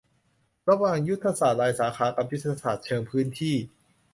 ระหว่างยุทธศาสตร์รายสาขากับยุทธศาสตร์เชิงพื้นที่